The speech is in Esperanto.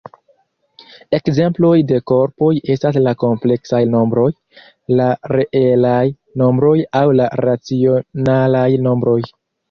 Ekzemploj de korpoj estas la kompleksaj nombroj, la reelaj nombroj aŭ la racionalaj nombroj.